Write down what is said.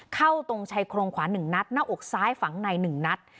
เข้าตรงชายโครงขวา๑นัดหน้าอกซ้ายฝังใน๑นัด